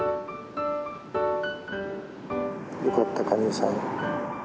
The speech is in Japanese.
よかったカニさん。